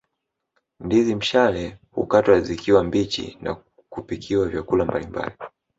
Ndizi mshale hukatwa zikiwa mbichi na kupikiwa vyakula mbalimbali